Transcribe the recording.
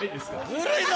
ずるいぞ！